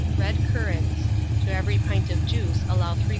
Red currants; to every pint of juice allow 3/4 lb.